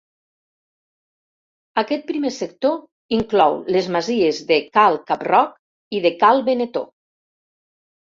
Aquest primer sector inclou les masies de Cal Cap-roc i de Cal Benetó.